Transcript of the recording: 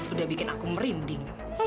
udah bikin aku merinding